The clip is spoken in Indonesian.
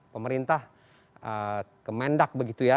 pemerintah kemendak begitu ya